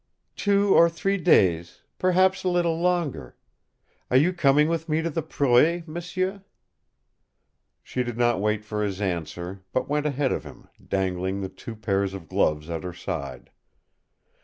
"Two or three days, perhaps a little longer. Are you coming with me to the proue, m'sieu?" She did not wait for his answer, but went ahead of him, dangling the two pairs of gloves at her side.